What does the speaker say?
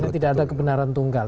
karena tidak ada kebenaran tunggal